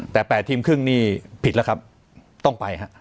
แต่๘ทีมครึ่งนี่ผิดแล้วครับต้องไปฮะ